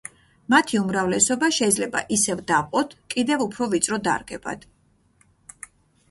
მათი უმრავლესობა შეიძლება ისევ დავყოთ კიდევ უფრო ვიწრო დარგებად.